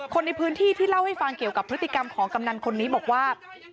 คนในพื้นที่ที่เล่าให้ฟังเกี่ยวกับพฤติกรรมของกำนันคนนี้บอกว่า